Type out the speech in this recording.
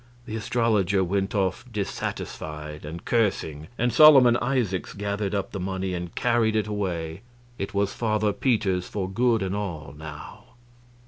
The astrologer went off dissatisfied and cursing, and Solomon Isaacs gathered up the money and carried it away. It was Father Peter's for good and all, now.